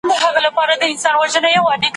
که پوښتني وسي نو شک نه پاته کېږي.